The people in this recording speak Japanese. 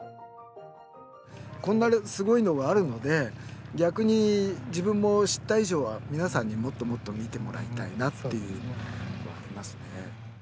こんなにすごいのがあるので逆に自分も知った以上は皆さんにもっともっと見てもらいたいなっていうのはありますね。